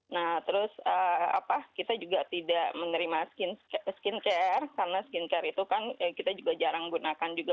nah terus kita juga tidak menerima skincare karena skincare itu kan kita juga jarang gunakan juga